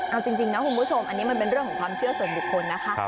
เอาจริงนะคุณผู้ชมอันนี้มันเป็นเรื่องของความเชื่อส่วนบุคคลนะคะ